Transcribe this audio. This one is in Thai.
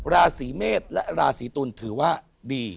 ราศีเมษและราศีตุลถือว่าดี